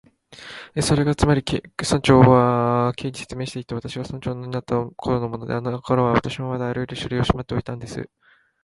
「それがつまり」と、村長は Ｋ に説明していった「私が村長になったころのもので、あのころは私もまだあらゆる書類をしまっておいたんです」